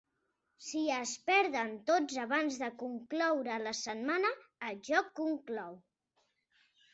Si es perden tots abans de concloure la setmana, el joc conclou.